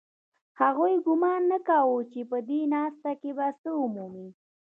هغوی ګومان نه کاوه چې په دې ناسته کې به څه ومومي